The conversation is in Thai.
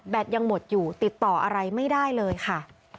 ยังหมดอยู่ติดต่ออะไรไม่ได้เลยค่ะ